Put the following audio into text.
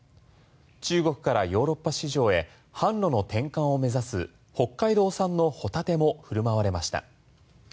中国からヨーロッパ市場販路の転換を目指す北海道産のホタテも振る舞われました。